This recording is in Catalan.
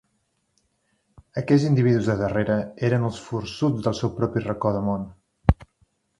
Aquells individus de darrere eren els forçuts del seu propi racó de món.